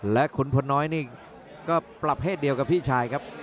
และขุนพลน้อยนี่ก็ประเภทเดียวกับพี่ชายครับ